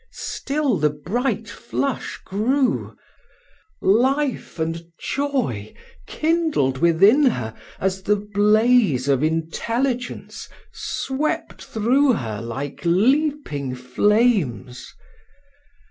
Still the bright flush grew. Life and joy, kindled within her at the blaze of intelligence, swept through her like leaping flames.